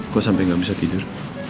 kok sampai gak bisa tidur